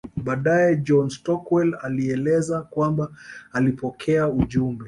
Baadae John Stockwell alieleza kwamba alipokea ujumbe